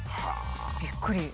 びっくり。